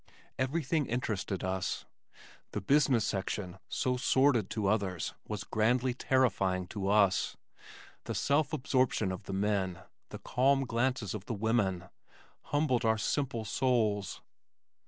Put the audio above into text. Everything interested us. The business section so sordid to others was grandly terrifying to us. The self absorption of the men, the calm glances of the women humbled our simple souls.